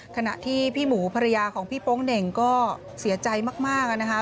ขณะที่พี่หมูภรรยาของพี่โป๊งเหน่งก็เสียใจมากนะคะ